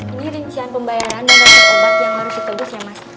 ini rincian pembayaran dan bentuk obat yang harus ditebus ya mas